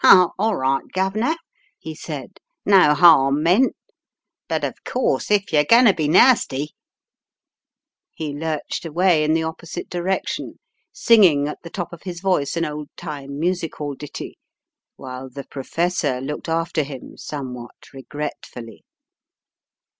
"All right, Guv'nor," he said, "no harm meant* But of course if you're going to be nasty " He lurched away in the opposite direction, singing at the top of his voice an old time music hall ditty while the "professor" looked after him somewhat regretfully.